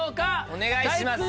お願いします。